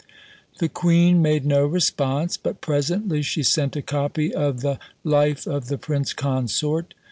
The Queen made no response, but presently she sent a copy of the Life of the Prince Consort.